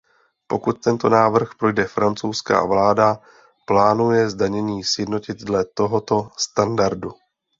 Pokud tento návrh projde francouzská vláda plánuje zdanění sjednotit dle toho standardu.